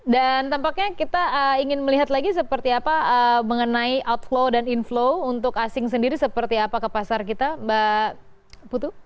dan tampaknya kita ingin melihat lagi seperti apa mengenai outflow dan inflow untuk asing sendiri seperti apa ke pasar kita mbak putu